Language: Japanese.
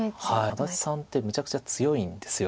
安達さんってめちゃくちゃ強いんです。